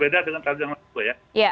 berbeda dengan tahun yang lalu ya